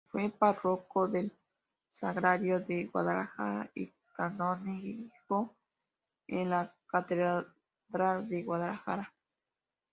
Fue párroco del Sagrario de Guadalajara, y canónigo en la Catedral de Guadalajara.